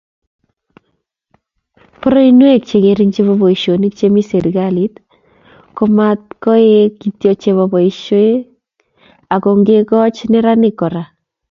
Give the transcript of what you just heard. Poroinwek chengering chebo boisionik chemi serkalit komatkoek kityo chebo boisiek ago ngekoch neranik kora